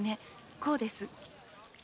「こう」です。